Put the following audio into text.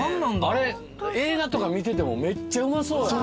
あれ映画とか見ててもめっちゃうまそう。